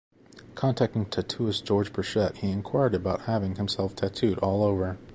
Contacting tattooist George Burchett, he inquired about having himself "tattooed all over".